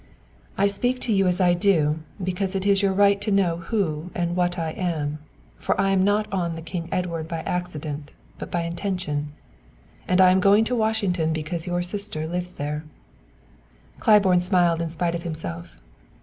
"I speak to you as I do because it is your right to know who and what I am, for I am not on the King Edward by accident but by intention, and I am going to Washington because your sister lives there." Claiborne smiled in spite of himself.